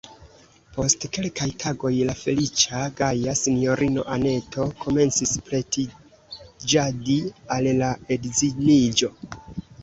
Post kelkaj tagoj la feliĉa, gaja sinjorino Anneto komencis pretiĝadi al la edziniĝo.